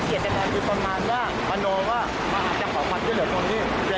แต่ถ้าเขาโดยสัญญาติอย่างกับถ้าคนขั้นตัวตาย